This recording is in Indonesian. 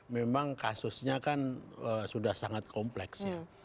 memang kasusnya kan sudah sangat kompleks ya